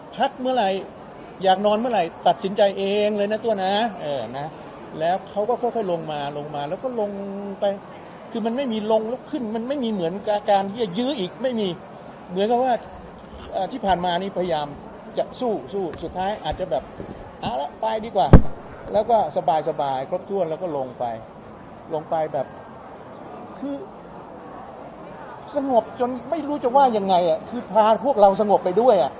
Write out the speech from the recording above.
พักเมื่อไหร่อยากนอนเมื่อไหร่ตัดสินใจเองเลยนะตัวนะแล้วเขาก็ค่อยลงมาลงมาแล้วก็ลงไปคือมันไม่มีลงแล้วขึ้นมันไม่มีเหมือนกับการที่จะยื้ออีกไม่มีเหมือนกับว่าที่ผ่านมานี้พยายามจะสู้สู้สุดท้ายอาจจะแบบเอาละไปดีกว่าแล้วก็สบายครบถ้วนแล้วก็ลงไปลงไปแบบคือสงบจนไม่รู้จะว่ายังไงคือพาพวกเราสงบไปด้วยอ่ะ